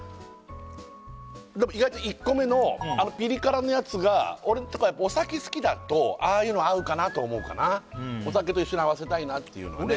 意外と１個目のあのピリ辛のやつが俺とかお酒好きだとああいうの合うかなと思うかなお酒と一緒に合わせたいなっていうのはね